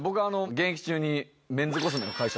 現役中に？